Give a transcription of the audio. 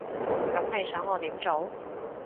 噉你想我點做？